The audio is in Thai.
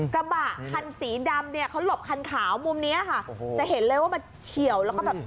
กระบะคันสีดำเนี่ยเขาหลบคันขาวมุมนี้ค่ะจะเห็นเลยว่ามันเฉียว